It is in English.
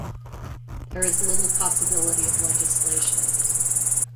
There is little possibility of legislation.